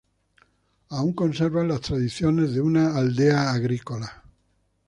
Aún conserva las tradiciones de una aldea agrícola.